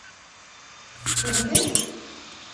Кемдең?